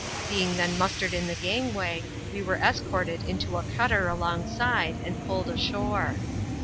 Being then mustered in the gangway, we were es corted into a cutter alongside, and pulled ashore.